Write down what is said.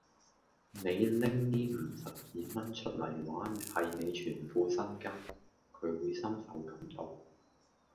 你拎呢五十二蚊出黎話係你全副身家，佢會深受感動